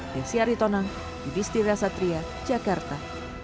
desi aritonang yudhistira satria jakarta